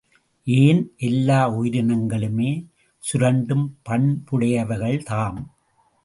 ஏன் எல்லா வுயிரினங்களுமே சுரண்டும் பண்புடையவைகள்தாம்!